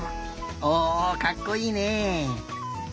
おおかっこいいね！